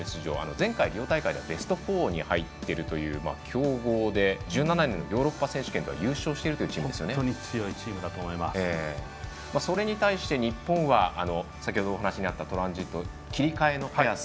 前回、リオ大会でベスト４に入っているという強豪で１７年のヨーロッパ選手権で本当にそれに対して日本は先ほどお話にあった切り替えの早さ。